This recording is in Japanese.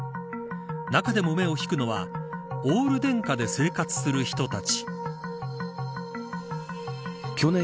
中でも目を引くのはオール電化で生活する人たち。